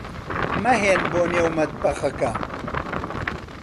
مەھێن بۆ نێو مەتبەخەکە.